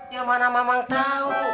ya mana mamang tau